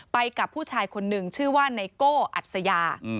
ไปกับผู้ชายคนหนึ่งชื่อว่าไนโก้อัศยา